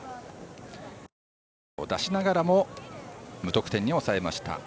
ランナーを出しながらも無得点に抑えました。